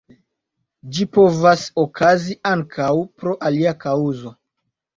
Ĝi povas okazi ankaŭ pro alia kaŭzo.